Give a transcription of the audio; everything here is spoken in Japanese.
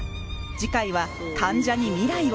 次回は患者に未来を！